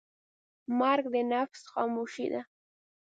مرګ د نفس خاموشي ده.